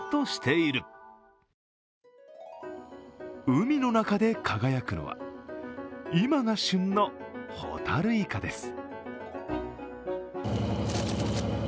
海の中で輝くのは、今が旬のホタルイカです。